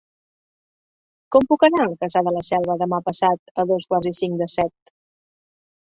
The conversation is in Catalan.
Com puc anar a Cassà de la Selva demà passat a dos quarts i cinc de set?